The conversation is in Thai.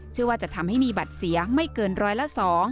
เชื่อว่าจะทำให้มีบัตรเสียไม่เกินร้อยละ๒